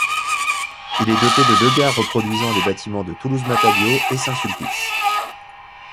Il est doté de deux gares reproduisant les bâtiments de Toulouse-Matabiau et Saint-Sulpice.